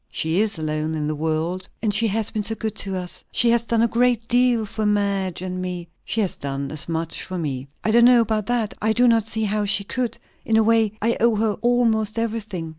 "She is alone in the world." "And she has been so good to us! She has done a great deal for Madge and me." "She has done as much for me." "I don't know about that. I do not see how she could. In a way, I owe her almost everything.